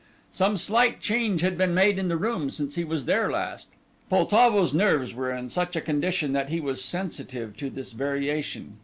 Some slight change had been made in the room since he was there last. Poltavo's nerves were in such a condition that he was sensitive to this variation.